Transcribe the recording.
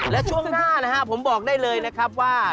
และช่วงหน้านะฮะผมบอกได้เลยนะครับว่า